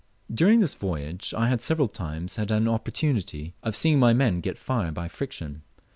During this voyage I had several times had an opportunity of seeing my men get fire by friction.